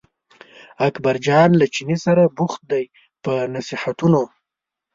اکبرجان له چیني سره بوخت دی په نصیحتونو.